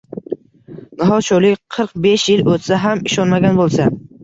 Nahot, sho’rlik qirq besh yil o’tsa ham ishonmagan bo’lsa?